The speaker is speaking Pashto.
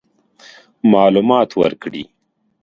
معلومات ورکړي.